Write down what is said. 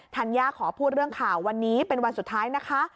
ย่าขอพูดเรื่องข่าววันนี้เป็นวันสุดท้ายนะคะ